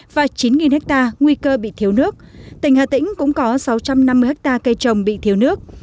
và chín ha nguy cơ bị thiếu nước tỉnh hà tĩnh cũng có sáu trăm năm mươi hectare cây trồng bị thiếu nước